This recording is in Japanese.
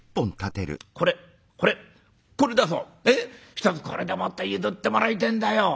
ひとつこれでもって譲ってもらいてえんだよ」。